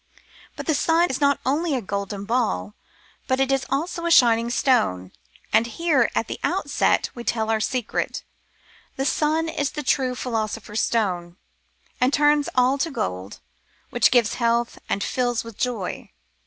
But the sun is not only a golden ball, but it is also a shining stone ; and here at the outset we tell our secret : the sun is the true Philosopher's Stone, that turns all to gold, that gives health, that fills with joy.